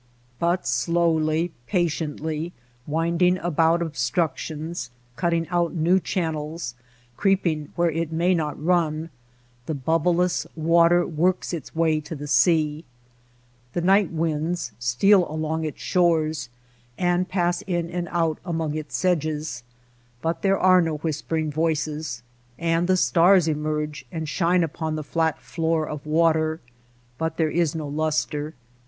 But slowly, patiently, winding about obstruc tions, cutting out new channels, creeping where it may not run, the bubbleless water works its way to the sea. The night winds steal along its^ shores and pass in and out among its sedges, but there are no whispering voices ; and the stars emerge and shine upon the flat floor of water, but there is no lustre.